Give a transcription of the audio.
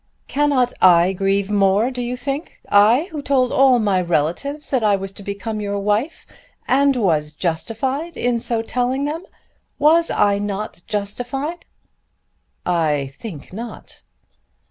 "Cannot I grieve more, do you think, I who told all my relatives that I was to become your wife, and was justified in so telling them? Was I not justified?" "I think not."